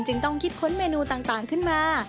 ต้องคิดค้นเมนูต่างขึ้นมา